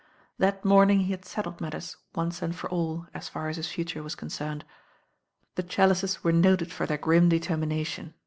That morning he had settled matters once and for an as far as his future was concerned. The Chal lices were noted for their grim determination.